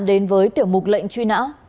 đến với tiểu mục lệnh truy nã